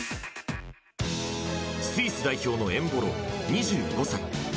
スイス代表のエンボロ、２５歳。